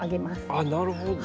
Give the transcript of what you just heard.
あっなるほど。